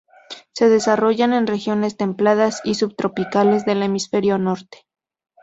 Se desarrollan en regiones templadas y subtropicales del hemisferio norte.